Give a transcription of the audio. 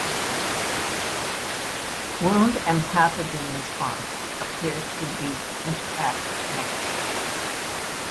Wound and pathogen response appear to be interact negatively.